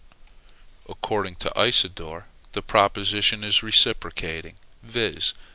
According to Isidore, the proposition is reciprocating, viz.